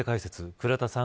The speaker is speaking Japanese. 倉田さん